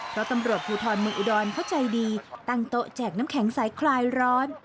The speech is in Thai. เพราะตำรวจภูทรเมืองอุดรเขาใจดีตั้งโต๊ะแจกน้ำแข็งใสคลายร้อน